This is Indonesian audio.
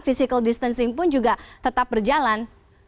physical distancing pun juga tetap berjalan